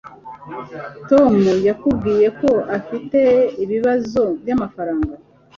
Tom yakubwiye ko afite ibibazo byamafaranga